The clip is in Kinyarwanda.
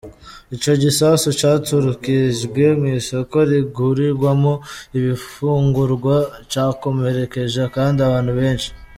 Ico gisasu caturukirijwe mw'isoko rigurigwamwo ibifungurwa, cakomerekeje kandi abantu benshi.